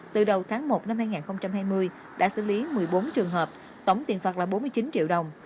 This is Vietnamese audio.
từ đầu tháng một năm hai nghìn hai mươi đã xử lý một mươi bốn trường hợp tổng tiền phạt là bốn mươi chín triệu đồng